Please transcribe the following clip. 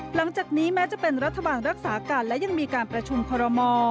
หลังจากนี้แม้จะเป็นรัฐบาลรักษาการและยังมีการประชุมคอรมอ